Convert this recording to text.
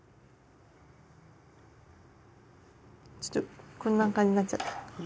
ちょっとこんな感じなっちゃった。